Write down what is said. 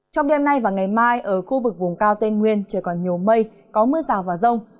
trong đêm nay và ngày mai ở khu vực vùng cao tây nguyên trời còn nhiều mây có mưa rào và rông